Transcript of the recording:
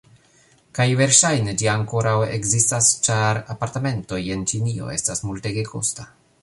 Kaj verŝajne, ĝi ankoraŭ ekzistas ĉar apartamentoj en Ĉinio estas multege kosta.